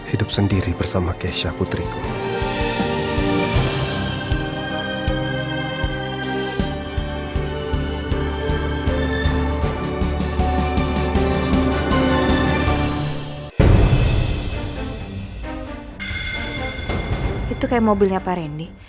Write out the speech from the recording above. itu kayak mobilnya pak randy